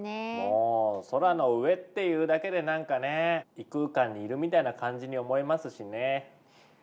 もう空の上っていうだけでなんかね異空間にいるみたいな感じに思えますしね。